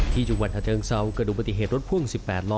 ที่จุงวันทะเจิงเซาเกิดอุปัติเหตุรถพ่วง๑๘ล้อ